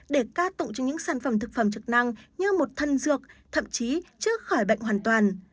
để ca tụng cho những sản phẩm thực phẩm chức năng như một thân dược thậm chí trước khỏi bệnh hoàn toàn